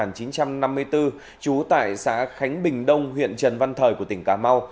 nại xã khánh bình đông huyện trần văn thời của tỉnh cà mau